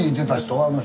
あの人。